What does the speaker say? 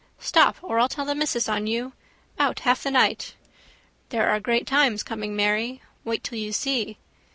Stop or I'll tell the missus on you. Out half the night. —There are great times coming, Mary. Wait till you see.